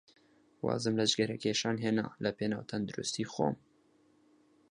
وازم لە جگەرەکێشان هێنا لەپێناو تەندروستیی خۆم.